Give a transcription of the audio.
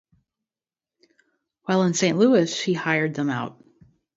While in Saint Louis, she hired them out.